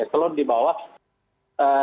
eselon di bawah dirjen